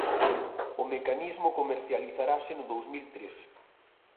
O mecanismo comercializarase no dous mil tres